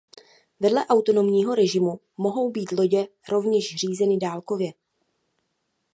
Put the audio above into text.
Vedle autonomního režimu mohou být lodě rovněž řízeny dálkově.